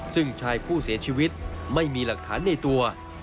ซึ่งชายผู้เสียชีวิตไม่มีหลักฐานในตัว